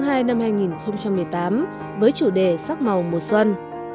liyor sạc màu đẹp việt nam với chủ đề sắc màu mùa xuân